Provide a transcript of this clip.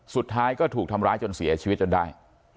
สุดท้ายก็ถูกทำร้ายจนเสียชีวิตจนได้